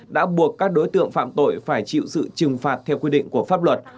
đã buộc các đối tượng phạm tội phải chịu sự trừng phạt theo quy định của pháp luật